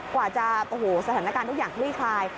กว่าจะสถานการณ์ทุกอย่างรีคาย